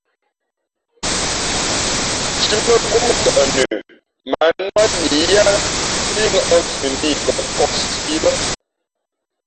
Shīmαnkóʼ mά tαʼ nə mα ǎ nnák nǐyáá pí ŋα̌ʼ mfhʉʼnā i kα̌ nkōpsī ī lά.